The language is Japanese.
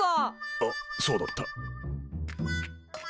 あっそうだった。